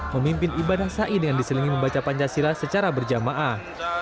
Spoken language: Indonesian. memimpin ibadah sa'i dengan diselingi membaca pancasila secara berjamaah